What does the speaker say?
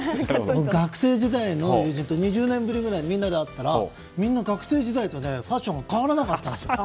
学生時代の友人と２０年ぶりぐらいに久しぶりに会ったらみんな学生時代とファッションが変わらなかったんですよ。